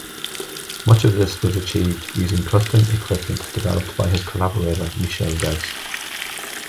Much of this was achieved using custom equipment developed by his collaborator Michel Geiss.